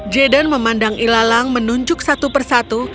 jaden memandang ilalang menunjuk satu persatu